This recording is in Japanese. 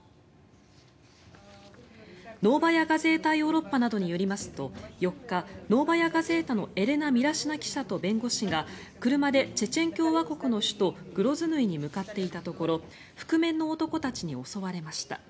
ノーバヤ・ガゼータ・ヨーロッパなどによりますと４日、ノーバヤ・ガゼータのエレナ・ミラシナ記者と弁護士が車でチェチェン共和国の首都グロズヌイに向かっていたところ覆面の男たちに襲われました。